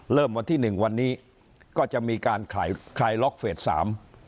วันที่หนึ่งวันนี้ก็จะมีการคลายคลายล็อกเฟสสาม